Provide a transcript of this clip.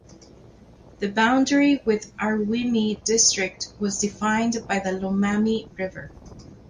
The boundary with Aruwimi District was defined by the Lomami River.